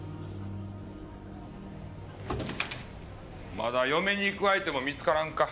まだ嫁に行く相手も見つからんか？